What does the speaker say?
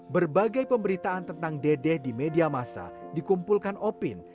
berbagai pemberitaan tentang dedek di media massa dikumpulkan opin